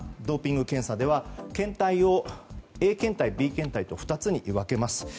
ドーピング検査では検体をＡ検体、Ｂ検体の２つに分けます。